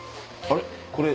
あれ？